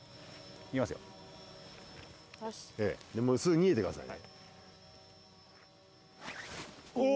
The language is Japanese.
すぐ逃げてくださいね。